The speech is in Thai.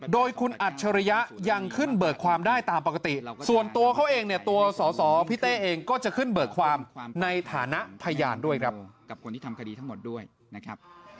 โดยคุณอัจฉริยะยังขึ้นเบิกความได้ตามปกติส่วนตัวเขาเองเนี่ยตัวสอพี่เต้เองก็จะขึ้นเบิกความในฐานะพยานด้วยครับ